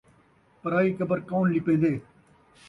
پرائی قبر کون لپیندے